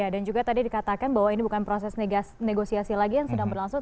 dan juga tadi dikatakan bahwa ini bukan proses negosiasi lagi yang sedang berlangsung